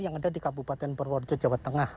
yang ada di kabupaten purworejo jawa tengah